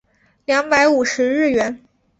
两百五十日圆